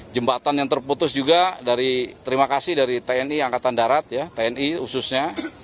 jembatan yang terputus juga dari terima kasih dari tni angkatan darat ya tni khususnya